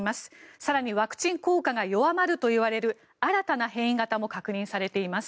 更にワクチン効果が弱まるといわれる新たな変異型も確認されています。